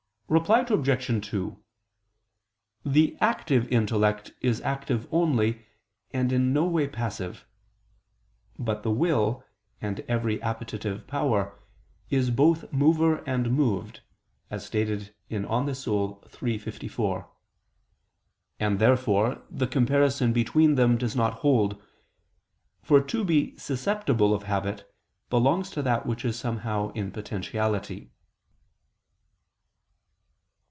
Reply Obj. 2: The active intellect is active only, and in no way passive. But the will, and every appetitive power, is both mover and moved (De Anima iii, text. 54). And therefore the comparison between them does not hold; for to be susceptible of habit belongs to that which is somehow in potentiality.